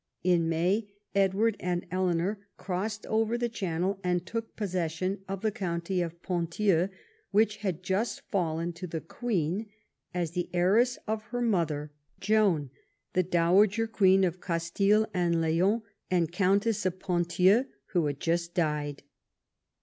In May Edward and Eleanor crossed over the Channel and took possession of the county of Ponthieu, which had just fallen to the queen as the heiress of her mother, Joan, the Dowager Queen of Castile and Leon and Countess of Ponthieu, Avho had just died.